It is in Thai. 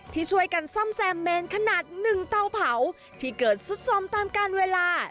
ที่ช่วยกันซ่อมแซมเมนขนาด๑เตาเผาที่เกิดสุดสมตามการเวลา